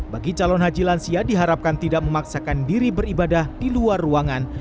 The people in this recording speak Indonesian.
bagi calon haji lansia diharapkan tidak memaksakan diri beribadah di luar ruangan